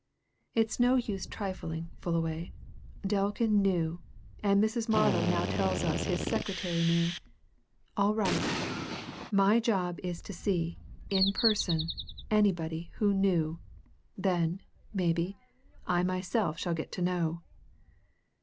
It's no use trifling, Fullaway Delkin knew, and Mrs. Marlow now tells us his secretary knew. All right! my job is to see, in person, anybody who knew. Then, maybe, I myself shall get to know."